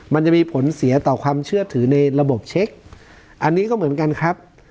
มันจะมีผลเสียต่อความเชื่อถือในระบบเช็คอันนี้ก็เหมือนกันครับ